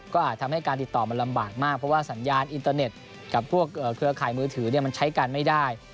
ก็อาจทำให้การติดต่อมันลำบากมากเพราะว่าสัญญาณอินเตอร์เน็ตกับพวกเครือข่ายมือถือมันใช้กันไม่ได้